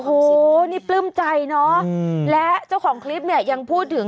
โอ้โหนี่ปลื้มใจเนอะและเจ้าของคลิปเนี่ยยังพูดถึง